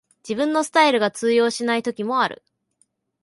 自分のスタイルが通用しない時もある